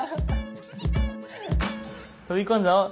飛び込んじゃおう！